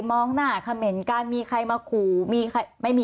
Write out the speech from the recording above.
มองหน้าเขาเหม็นกันมีใครมาขู่มีใคร